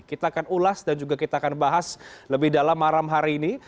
kita akan ulas dan juga kita akan bahas lebih dalam malam hari ini